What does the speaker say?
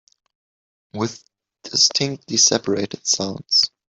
With distinctly separated sounds